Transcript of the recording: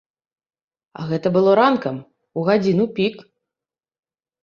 А гэта было ранкам, у гадзіну пік.